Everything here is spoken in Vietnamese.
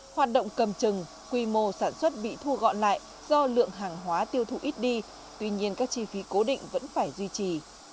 hoạt động cầm chừng quy mô sản xuất bị thu gọn lại do lượng hàng hóa tiêu thụ ít đi tuy nhiên các chi phí cố định vẫn phải duy trì